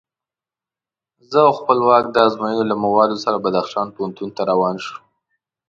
زه او خپلواک د ازموینو له موادو سره بدخشان پوهنتون ته روان شوو.